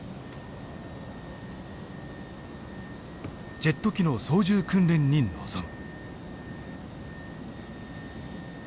ジェット機の操縦訓練に臨む。